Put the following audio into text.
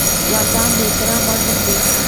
جانداد د احترام وړ نوم دی.